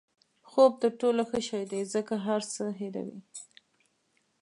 خوب تر ټولو ښه شی دی ځکه هر څه هیروي.